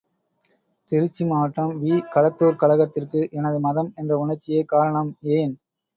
திருச்சி மாவட்டம் வி.களத்துார்க் கலகத்திற்கு எனது மதம் என்ற உணர்ச்சியே காரணம் ஏன்?